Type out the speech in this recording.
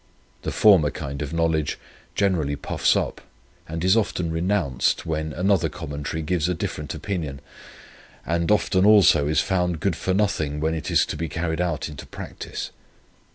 The former kind of knowledge generally puffs up, and is often renounced, when another commentary gives a different opinion, and often also is found good for nothing, when it is to be carried out into practice.